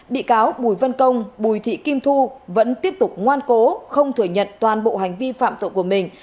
bị cáo bùi văn công bùi thị kim thu vẫn tiếp tục ngoan cố không thừa nhận toàn bộ hành vi phạm tội của mình